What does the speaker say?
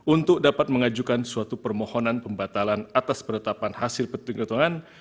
untuk dapat mengajukan suatu permohonan pembatalan atas penetapan hasil petunjuk hitungan